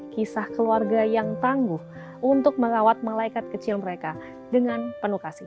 kisah keluarga yang tangguh untuk merawat malaikat kecil mereka dengan penuh kasih